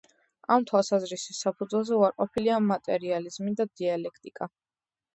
ამ თვალსაზრისის საფუძველზე უარყოფილია მატერიალიზმი და დიალექტიკა.